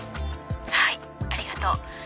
「はいありがとう。